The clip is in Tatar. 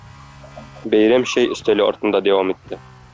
Бәйрәм чәй өстәле артында дәвам итте.